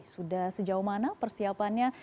sudah sejauh mana persiapannya